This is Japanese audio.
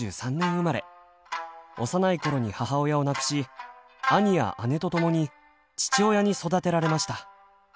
幼いころに母親を亡くし兄や姉とともに父親に育てられました。